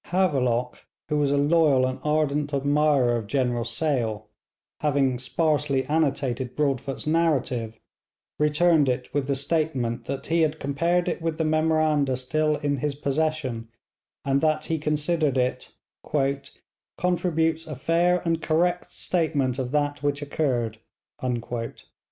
Havelock, who was a loyal and ardent admirer of General Sale, having sparsely annotated Broadfoot's narrative, returned it with the statement that he had compared it with memoranda still in his possession, and that he considered that it 'contributes a fair and correct statement of that which occurred.'